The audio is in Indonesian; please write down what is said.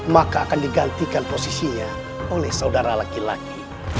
maka akan digantikan posisinya oleh saudara laki laki